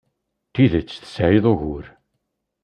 D tidet tesɛid ugur.